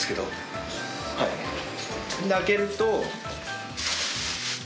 開けると。